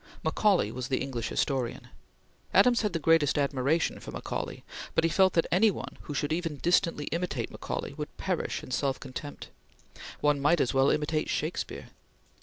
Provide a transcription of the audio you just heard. Macaulay was the English historian. Adams had the greatest admiration for Macaulay, but he felt that any one who should even distantly imitate Macaulay would perish in self contempt. One might as well imitate Shakespeare.